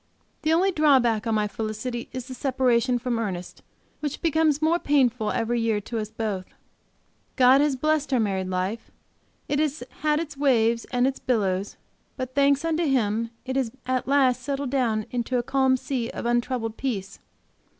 The only drawback on my felicity is the separation, from Ernest, which becomes more painful every year to us both. God has blessed our married life; it has had its waves and its billows, but, thanks unto Him, it has at last settled down into a calm sea of untroubled peace.